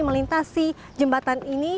melintasi jembatan ini